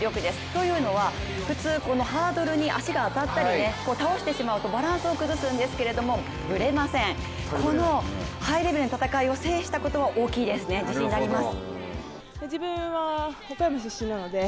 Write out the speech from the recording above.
というのは、普通ハードルに足が当たったり、倒してしまうとバランスを崩すんですが、ぶれません、このハイレベルな戦いを制したことは大きいですね、自信になります。